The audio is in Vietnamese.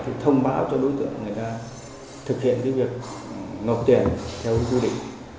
thì thông báo cho đối tượng người ta thực hiện cái việc nộp tiền theo quy định